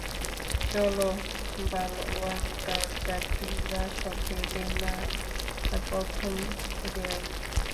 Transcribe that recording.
চল বালওনডার যাত্রীরা সব রেডি মার প্রথম গেয়ার!